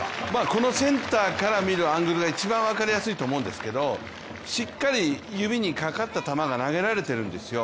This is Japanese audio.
このセンターから見るアングルが一番分かりやすいと思うんですけどしっかり指にかかった球が投げられているんですよ。